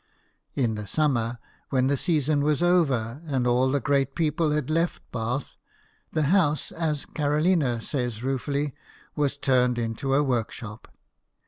In the summer, when the season was over, and all the great people had left Bath, the house, as Carolina says ruefully, " was turned into a workshop."